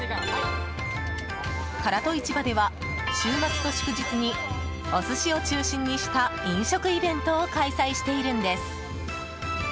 唐戸市場では週末と祝日にお寿司を中心にした飲食イベントを開催しているんです。